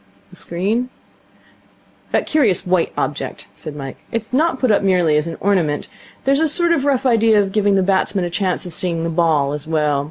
'The screen?' 'That curious white object,' said Mike. 'It is not put up merely as an ornament. There's a sort of rough idea of giving the batsman a chance of seeing the ball, as well.